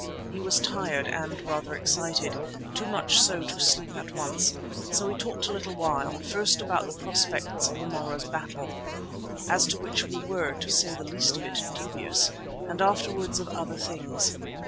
He was tired and rather excited, too much so to sleep at once. So we talked a little while, first about the prospects of the morrow's battle, as to which we were, to say the least of it, dubious, and afterwards of other things.